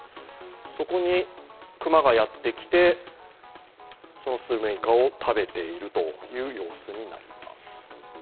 そこに熊がやってきて、そのスルメイカを食べているという様子になります。